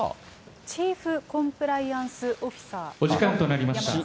チーフコンプライアンス、お時間となりました。